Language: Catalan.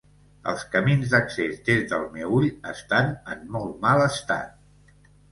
Els camins d'accés, des del Meüll, estan en molt mal estat.